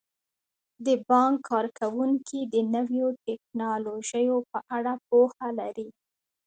د بانک کارکوونکي د نویو ټیکنالوژیو په اړه پوهه لري.